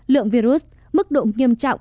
lượng virus mức độ nghiêm trọng